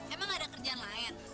emang ada kerjaan lain